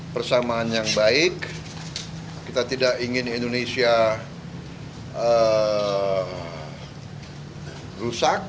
persamaan yang baik kita tidak ingin indonesia rusak